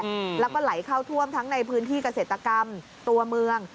อืมแล้วก็ไหลเข้าท่วมทั้งในพื้นที่เกษตรกรรมตัวเมือง